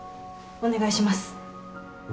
お願いします。